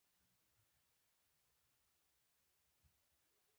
د پیرودونکي رضایت د تلپاتې ګټې سبب کېږي.